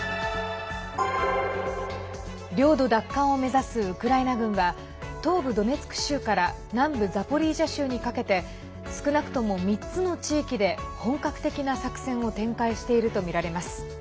領土奪還を目指すウクライナ軍は東部ドネツク州から南部ザポリージャ州にかけて少なくとも３つの地域で本格的な作戦を展開しているとみられます。